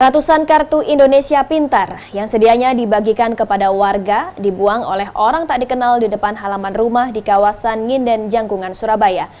ratusan kartu indonesia pintar yang sedianya dibagikan kepada warga dibuang oleh orang tak dikenal di depan halaman rumah di kawasan nginden jangkungan surabaya